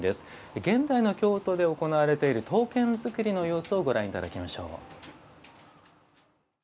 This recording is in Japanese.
現代の京都で行われている刀剣作りの様子をご覧いただきます。